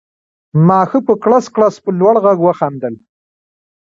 ما ښه په کړس کړس په لوړ غږ وخندل